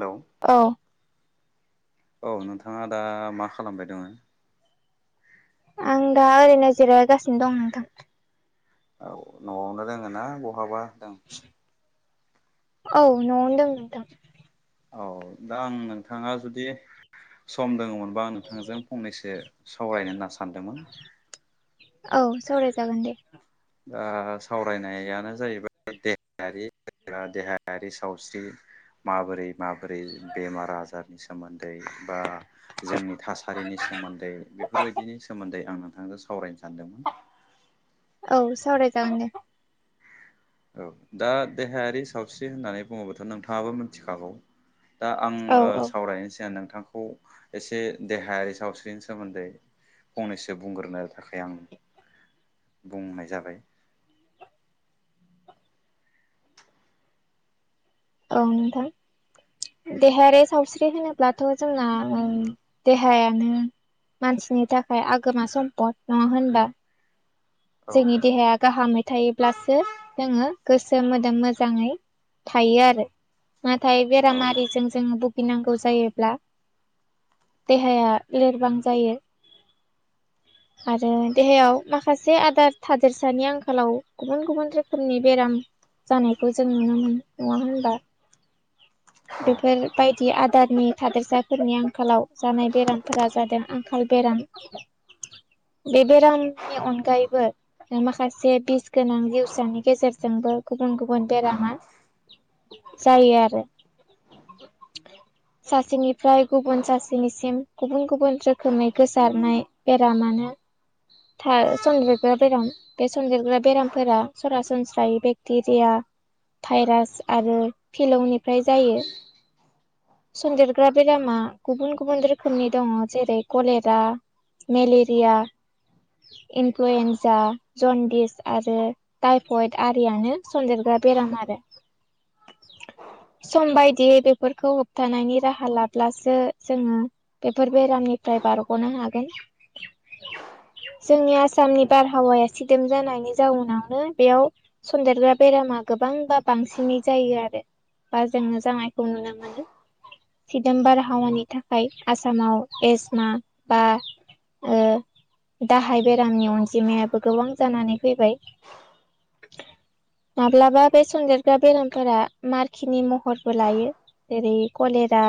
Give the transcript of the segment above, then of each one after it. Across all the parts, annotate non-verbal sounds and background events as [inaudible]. Hello औ औ नोंथाङा दा मा खालामबाय दङो आं दा ओरैनो जिरायगासिनो दं नोंथां औ न'आवनो दोङोना बहाबा दों औ न'आव दों नोंथां औ दा आं नोंथाङा जुदि सम दोङोमोनबा आं नोंथांजों फंनैसो सावरायनो होन्ना सानदोंमोन औ सावरायजागोन दे दा सावरायनायानो जाहैबाय देहायारि एबा देहायारि सावस्रि माबोरै माबोरै बेमार आजारनि सोमोन्दै बा जोंनि थासारिनि सोमोन्दै बेफोरबायदिनि सोमोन्दै आं नोंथांजों सावरायनो सानदों औ सावरायजागोन दे औ दा देहायारि सावस्रि होननानै बुङोबथ' नोंथाङाबो मिथिखागौ दा औ आङो औ सावरायनायनि सिगां नोंथां खौ एसे देहायारि सावस्रिनि सोमोन्दै फंनैसो बुंग्रोनो थाखाय आं बुंनाय जाबाय औ नोंथां देहायारि सावस्रि होनोब्लाथ' जोंना देहायानो मानसिनि थाखाय आगोमा सम्पद नङा होनबा औ जोंनि देहाया गाहामै थायो ब्लासो जोङो गोसो मोदोम मोजाङै थायो आरो नाथाय औ बेरामारिजों जोङो गिनांगौ जायोब्ला देहाया लोरबां जायो आरो देहायाव माखासे जे आदार थादेरसानि आंखालाव गुबुन गुबुन रोखोमनि बेराम जानायखौ जों नुनो मोनो नङा होनबा औ बेफोरबायदि आदारनि थादोरसाफोरनि आंखालाव जानाय बेरामफोरा जादों आंखाल बेराम बे बेरामनि अनगायैबो माखासे बिस गोनां जिउसानि गेजेरजोंबो गुबुन गुबुन बेरामा जायो आरो सासेनिफ्राय गुबुन सासेनिसिम गुबुन गुबुन रोखोमै गोसारनाय बेरामानो था सनन्देरग्रा बेराम बे सनन्देरग्रा बेरामफोरा सरासनस्रायै बेक्टेरिया भाइरास आरो फिलौनिफ्राय जायो सन्देरग्रा बेरामा गुबुन गुबुन रोखोमनि दङ जेरै कलेरा मेलेरिया इनफ्लुयन्जा जन्दिस आरो टाइफयद आरियानो सनदेरग्रा बेराम आरो सम बायदियै बेफोरखौ होबथानायनि राहा लाब्लासो जोङो बेफोर बेरामनिफ्राय बारग'नो हागोन जोंनि आसामनि बारहावाया सिदेम जानायनि जाउनावनो बेयाव सन्देरग्रा बेरामा गोबांबा बांसिनै जायो आरो बा जोङो जानायखौ नुनो मोनो सुदेम बारहावानि थाखाय आसामाव एजमा बा ओ दाहाय बेरामनि अनजिमायाबो गोबां जानानै फैबाय माब्लाबा बे सनजदेरग्रा बेरामफोरा मारखिनि महरबो लायो जेरै कलेरा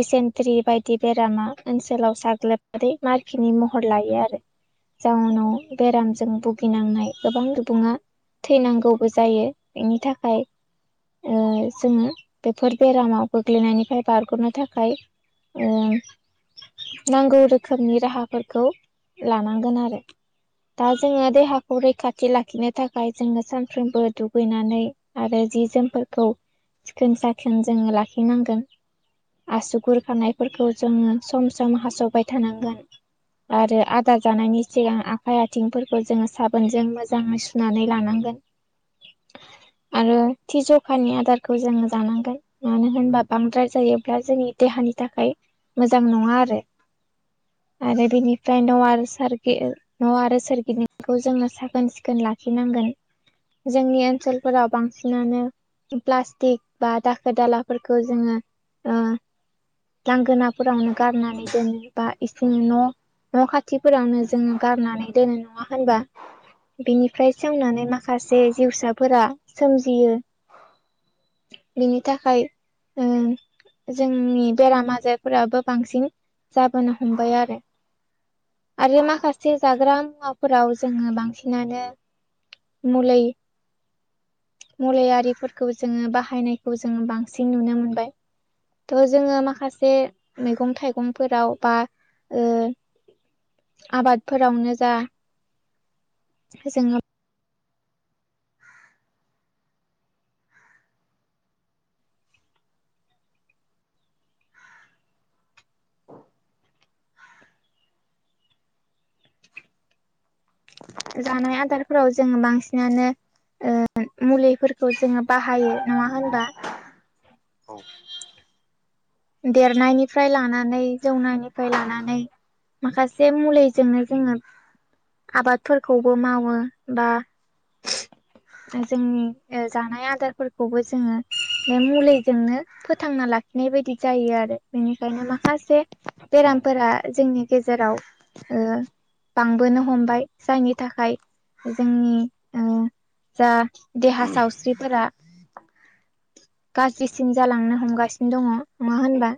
दिसेन्ट्रि बायदि बेरामा ओनसोलाव साग्लोबनानै मारखिनि महर लायो आरो जाउनाव बेरामजों भुगिनांनाय गोबां सुबुङा थैनांगौबो जायो इनि थाखाय ओ जोङो बेफोर बेरामाव गोग्लैनायनिफ्राय बारग'नो थाखाय ओ नांगौ रोखोमनि राहाफोरखौ लानांगोन आरो दा जोङो देहाखौ रैखाथि लाखिनो थाखाय जोङो सानफ्रोमबो दुगैनानै आरो जि जोमफोरखौ सिखोन साखोन जोङो लाखिनांगोन आसुगुर खानायफोरखौ जोङो सम सम हासबाय थानांगोन आरो आ दार जानायनि सिगां आखाइ आथिंफोरखौ जोङो साबोनजों मोजाङै सु नानै लानांगोन आरो थि जखानि आदारखौ जोङो जानांगोन मानो होनबा बांद्राय जायोब्ला जोंनि देहानि थाखाय मोजां नङा आरो आरो बेनिफ्राय न आरो सारगि न' आरो सोरगिदिंखौ जोङो साखोन सिखोन लाखिनांगोन जोंनि ओनसोलफोराव बांसिनानो प्लास्टिक बा दाखोर दालाफोरखौ जोङो ओ लांगोनाफोरावनो गारनानै दोनो बा इसि न' न' खा थिफोरावनो जोङो गारनानै दोनो नङा होनबा बेनिफ्राय सेवनानै मा‌ खासे जिउसाफोरा सोमजियो। बिनि थाखाय ओ जोंनि बेराम आजारफोराबो बांसिन जाबोनो हमबाय आरो आरो माखासे जाग्रा मुवाफोराव जोङो बांसिनानो मुलै मुलिरिफोरखौ जोङो बाहायनायखौ जोङो बांसिन नुनो मोनबाय। थ जोङो माखासे मैगं थाइगंफोराव बा ओ आबादफोरावनो जा जोङो जानाय आदारफोराव जोङो बांसिनानो ओ मुलिफोरखौ जोङो बाहायो नङा होनबा औ देरनायनिफ्राय लानानै जौनायनिफ्राय लानानै माखासे मुलिजोंनो जोङो आबादफोरखौबो मावो बा जोंनि जानाय आदारफोरखौबो जोङो बे मुलिजोंनो फोथांना लाखिनाय बायदि जायो आरो बेनिखायनो माखासे औ बेरामफोरा जोंनि गेजेराव ओ बांबोनो हमबाय जोंनि थाखाय जोंनि ओ जा देहा सावस्रिफोरा गाज्रिसिन जालांनो हमगासिनो दङ नङा होनबा।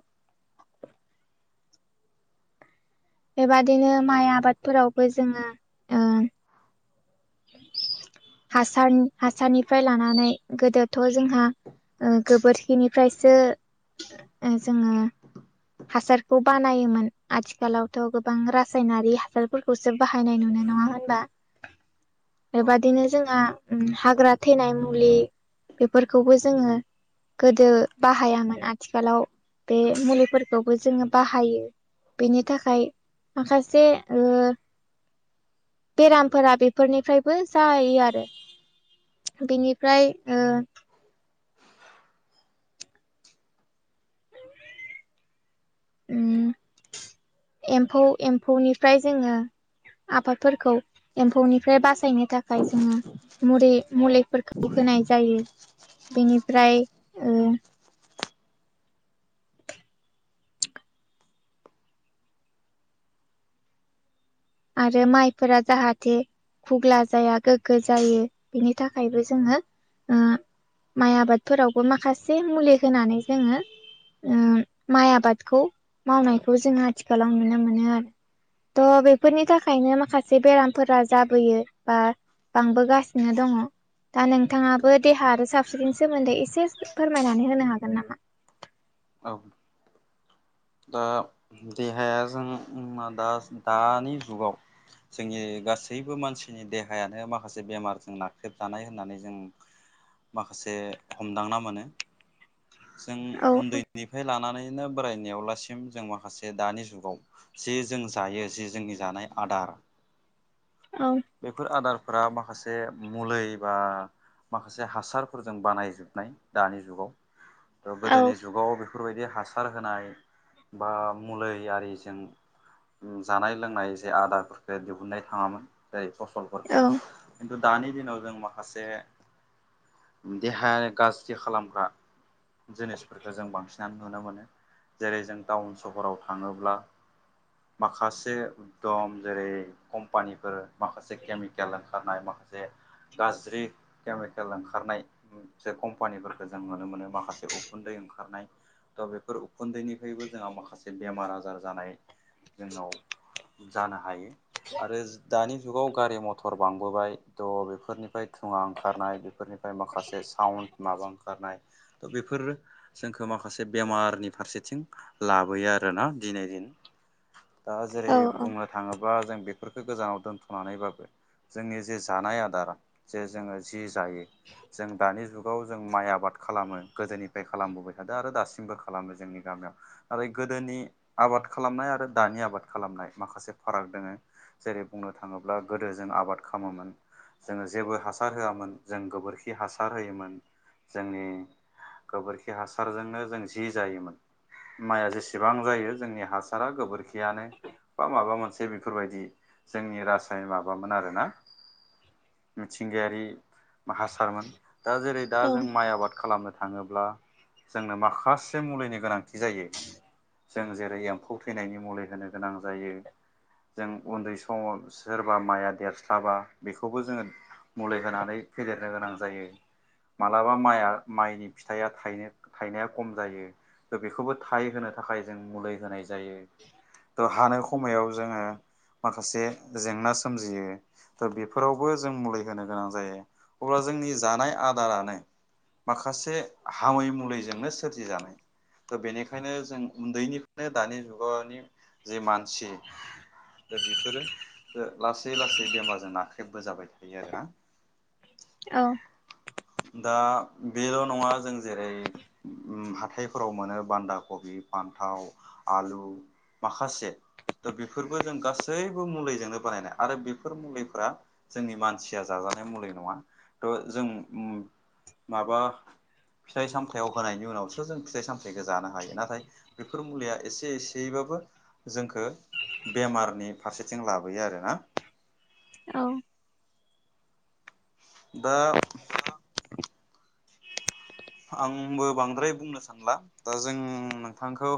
बेबादिनो माइ आबादफोरावबो जोङो ओ हासार हासारनिफ्राय लानानै गोदोथ जोंहा ओ‌ गोबोरखिनिफ्रायसो ओ जोङो हासारखौ बानायोमोन आथिखालावथ गोबां रासायनारि हासारफोरखौसो बाहायनाय नुनाय नङा होनबा औ बेबादिनो जोंहा हाग्रा थैनाय मुलि बेफोरखौबो जोङो गोदो बाहायामोन आथिखालाव बे मुलिफोर खौबो जोङो बाहायो बेनि थाखाय माखासे बेरामफोरा बेफोरनिफ्रायबो जायो आरो। बेनिफ्राय ओ ओम एम्फौ एम्फौनिफ्राय जोङो आबादफोरखौ एम्फौनिफ्राय बासायनो थाखाय जोङो मुरै मुलिफोरखौ होनाय जायो। बेनिफ्राय ओ आरो माइफोरा जाहाथे खुग्ला जाया गोग्गो जायो बिनि थाखायबो जोङो माइ आबादफोरावबो माखासे मुलि होनानै जोङो माइ आबादखौ मावनायखौ जों आथिखालाव नुनो मोनो आरो। थ बे बेफोरनि थाखायनो माखासे बेरामफोरा जाबोयो बा बांबोगासिनो दङ। दा नोंथाङाबो देहा आरो सावस्रिनि सोमोन्दै एसे फोरमायनानै होनो हागोन ना। औ दा देहाया जों दा दानि जुगाव जोंनि गासैबो मानसिनि देहायानो माखासे बेमारजों नाख्रेबजानाय होननानै जों माखासे हमदांना मोनो जों औ उन्दैनिफ्राय लानानैनो बोरायनायाव लासै दासिम जों माखासे दानि जुगाव ज जों जायो ज जोंनि जानाय आदार औ बेफोर आदारफोरा माखासे मलै बा माखासे हासारफोरजों बानायजोबनाय दानि जुगाव गोदोनि जुगाव बेफोरबायदि हासार होनाय बा मुलि आरिजों जानाय लोंनाय जे आदारफोरखौ दिहुननाय थांङामोन जै फसलफोरखौ औ खिन्थु दानि दिनाव जों माखासे देहाय गाज्रि खालामग्रा जिनिसफोरखौ जों बांसिनानो नुनो मोनो जेरै जों टाउन सहराव थांङोब्ला माखासे एकदम जेरै कम्पानिफोर माखासे केमिकेल ओंखारनाय माखासे गाज्रि केमिकेल ओंखारनाय कम्पानिफोरखौ जों नुनो मोनो माखासे उखुन्दै ओंखारनाय बेफोर उन्दैनिफ्रायबो जोंहा माखासे बेमार आजार जानाय जोंनाव जानो हायो। आरो दानि जुगाव गारि मथर बांबोबाय थ' बेफोरनिफ्राय थुुंङा ओंखारनाय बेफोरनिफ्राय माखासे साउन्ड माबा ओंखारनाय थ' बेफोरो जोंखौ माखासे बेमारनि फारसेथिं लाबोयो आरोना दिनै दिन दा जेरै औ बु थांङोबा जों बेफोरफोरखौ गोजानाव दोन्थ'नानैबाबो जोंनि जे जानाय आदार जे जोंङो जि जायो जों दानि जुगाव जों माइ आबाद खालामो गोदोनिफ्राय खालामबोबाय थादों आरो दासिमबो खालामो जोंनि गामियाव आरो गोदोनि आबाद खालामनाय आरो दानि आबाद खालामनाय माखासे फाराग दंङो जेरै बुंनो थांङोब्ला गोदो जों आबाद खालामोमोन जोंङो जेबो हासार होआमोन जों गोबोरखि हासार होयोमोन जोंनि गोबोरखि हासारजोंनो जों जि जायोमोन माइया जेसेबां जायो जोंनि हासारा गोबोरखियानो बा माबा मोनसे बेफोरबायदि जोंनि रासाय माबामोन आरोना मिथिंगायारि माहासारमोन दा जेरै दा औ जों माइ आबाद खालामनो थाखाय थाङोब्ला जोंनो माखासे मुलिनि गोनांथि जायो जों जेरै एम्फौ थैनायनि मुलि होनो गोनां जायो जों उन्दै समाव सोरबा माया देरस्लाबा बेखौबो जोङो मुलि होनानै फेदेरनो गोनां जायो। माब्लाबा माइआ माइनि फिथाया थायनो थायनाया खम जायो त' बेखौबो थाय होनो थाखाय जों मुलि होनाय जायो थ' हानाय समायाव जोङो माखासे जेंना सोमजियो दा बेफोरावबो जों मुलि होनो गोनां जायो अब्ला जोंनि जानाय आदारानो माखासे हामै मुलिजोंनो सोरजिजानाय थ बेनिखायनो जों उन्दैनिफ्रायनो दानि जुगनि जे मानसि दा बेफोरो लासै लासै बेमारजों नाख्रेबबोजाबाय थायो आरो ना औ दा बेल' नङा जों जेरै उम हाथाय फोराव मोनो बान्दा कबि फान्थाव आलु माखासे दा बेफोरबो जों गासैबो मुलिजोंनो बानायनाय आरो बेफोर मुलिफ्रा जोंनि मानसिया जाजानाय मुलि नङा थ' जों माबा फिथाइ सामथायाव होनायनि उनावसो जों फिथाइ सामथायखौ जानो हायो नाथाय बेफोर मुलिया एसे एसेबाबो जोंखौ बेमारनि फारसेथिं लाबोयो आरो ना औ दा। आंबो बांद्राय बुंनो सानला दा जों नोंथांखौ।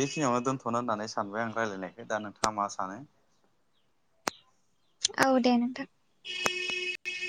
बेखिनियावनो दोनथ'नो होननानै सानबाय आं रायलायनायखो दा नोंथाङा मा सानो। औ दे नोंथां। [inaudible]